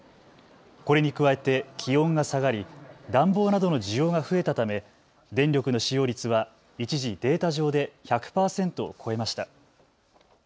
これに加えて気温が下がり暖房などの需要が増えたため電力の使用率は一時、データ上で１００％を超えました。